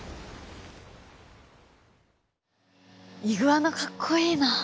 イグアナかっこいいな。